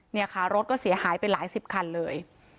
เนี่ยค่ะรถก็เสียหายไปหลายสิบคันเลย